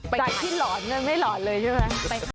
ใครที่หลอนมันไม่หลอนเลยใช่ไหม